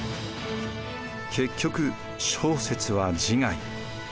結局正雪は自害。